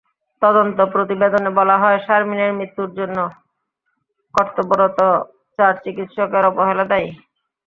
তদন্ত প্রতিবেদনে বলা হয়, শারমিনের মৃত্যুর জন্য কর্তব্যরত চার চিকিৎসকের অবহেলা দায়ী।